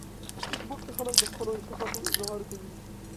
په فېسبوک کې خلک د خپلو احساساتو اظهار کوي